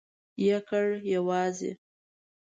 یکړ...یوازی ..